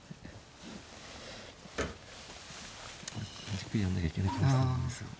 じっくりやんなきゃいけない気がしたんですが。